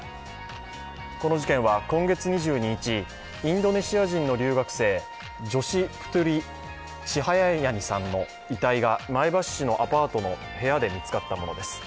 この事件は今月２２日、インドネシア人の留学生ジョシ・プトゥリ・チャハヤニさんの遺体が前橋市のアパートの部屋で見つかったものです。